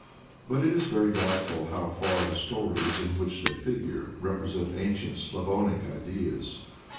But it is very doubtful how far the stories in which they figure represent ancient Slavonic ideas.